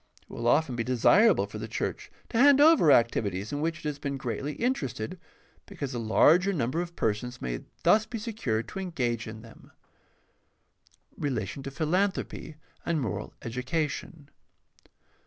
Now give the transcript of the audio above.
It will often be desirable for the church to hand over activities in which it has • PRACTICAL THEOLOGY 609 been greatly interested, because a larger number of persons may thus be secured to engage in them. Relation to philanthropy and moral education.